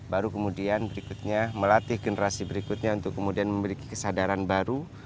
baru kemudian berikutnya melatih generasi berikutnya untuk kemudian memiliki kesadaran baru